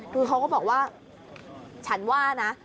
คือเขาก็บอกว่าฉันว่านะ